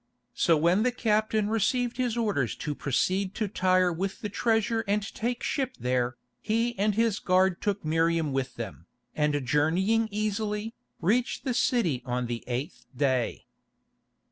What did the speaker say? So when the captain received his orders to proceed to Tyre with the treasure and take ship there, he and his guard took Miriam with them, and journeying easily, reached the city on the eighth day.